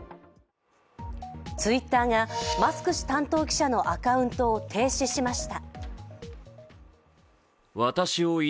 Ｔｗｉｔｔｅｒがマスク氏担当記者のアカウントを停止しました。